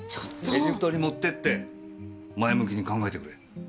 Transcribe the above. エジプトに持って行って前向きに考えてくれ。